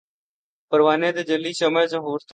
پروانۂ تجلی شمع ظہور تھا